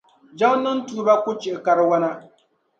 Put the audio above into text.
Jaŋa niŋ tuuba ku chihi kariwana.